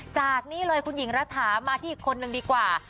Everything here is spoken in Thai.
จากนี้เลยคุณหญิงรัฐามาที่อีกคนนึงดีกว่า